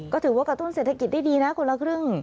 ก็ถือว่ากระตุ้นเศรษฐกิจได้ดีนะคนละครึ่ง